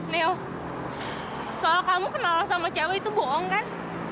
neo soal kamu kenal sama cewek itu bohong kan